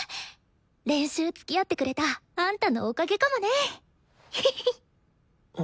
練習つきあってくれたあんたのおかげかもね！